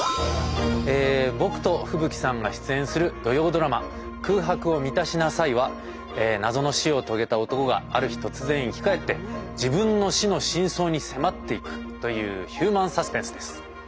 僕と風吹さんが出演する土曜ドラマ「空白を満たしなさい」は謎の死を遂げた男がある日突然生き返って自分の死の真相に迫っていくというヒューマン・サスペンスです。